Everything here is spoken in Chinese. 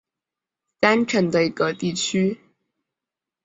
三城的一个地区。